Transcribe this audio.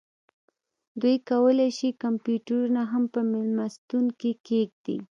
دوی کولی شي کمپیوټرونه هم په میلمستون کې کیږدي